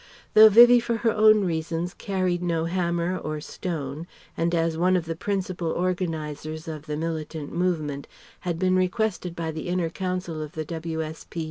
Though Vivie for her own reasons carried no hammer or stone and as one of the principal organizers of the militant movement had been requested by the inner Council of the W.S.P.